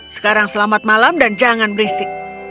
sekarang selamat malam dan jangan berisik